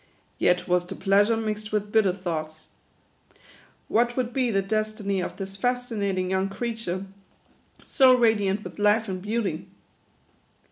Yet was the pleasure mixed with bitter thoughts. What would be the des tiny of this fascinatkfg young creature, so radiant with life and beauty